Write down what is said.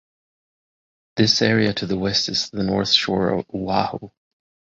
This area to the west is the North Shore of Oahu.